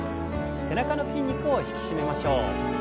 背中の筋肉を引き締めましょう。